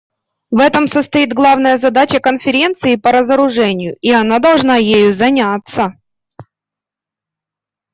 В этом состоит главная задача Конференции по разоружению, и она должна ею заняться.